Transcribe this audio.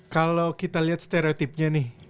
kalau kita lihat stereotipnya nih